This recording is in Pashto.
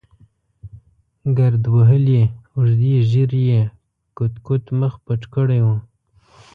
ګرد وهلې اوږدې ږېرې یې کوت کوت مخ پټ کړی و.